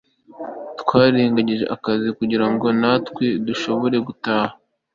twarangije akazi, kugirango natwe dushobore gutaha